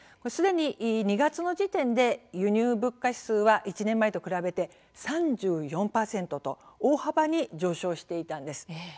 すでに２月の時点で輸入物価指数は１年前と比べて３４％と大幅に上昇していたんです。